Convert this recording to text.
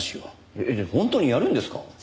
えっ本当にやるんですか？